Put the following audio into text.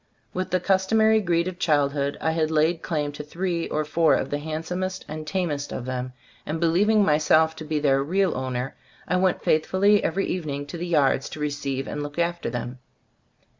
With the customary greed of childhood I had laid claim to three or four of the handsomest and tamest of them, and believing my self to be their real owner, I went faithfully every evening to the yards to receive and look after them.